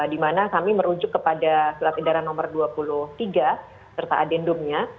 di mana kami merujuk kepada surat edaran nomor dua puluh tiga serta adendumnya